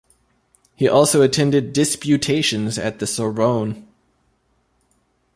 He also attended "disputations" at the Sorbonne.